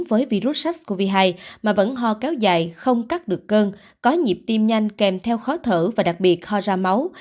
với virus sars cov hai mà vẫn ho kéo dài không cắt được cơn có nhịp tim nhanh kèm theo khó thở và đặc biệt ho ra máu